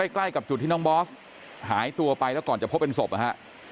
ใกล้กับจุดที่น้องบอสหายตัวไปแล้วก่อนจะพบเป็นศพนะฮะ